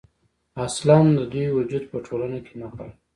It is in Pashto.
اصـلا د دوي وجـود پـه ټـولـنـه کـې نـه غـواړي.